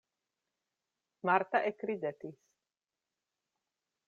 Marta ekridetis.